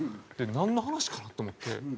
なんの話かな？と思って。